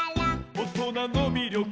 「おとなのみりょく」